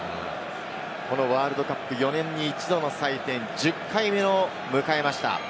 ワールドカップ、４年に一度の祭典、１０回目を迎えました。